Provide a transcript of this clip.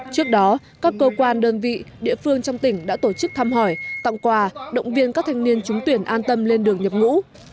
trước đó các cơ quan đơn vị địa phương trong tỉnh đã tổ chức thăm hỏi tặng quà động viên các thanh niên trúng tuyển an tâm lên đường nhập ngũ